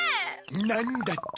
なんだって？